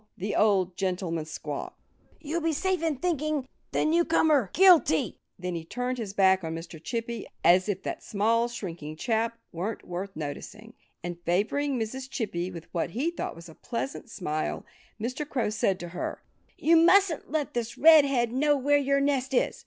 the old gentleman squawked. "You'll be safe in thinking the newcomer guilty." Then he turned his back on Mr. Chippy, as if that small, shrinking chap weren't worth noticing. And favoring Mrs. Chippy with what he thought was a pleasant smile, Mr. Crow said to her, "You mustn't let this Red head know where your nest is.